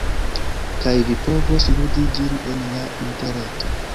kaj vi povos ludi ĝin en la interreto.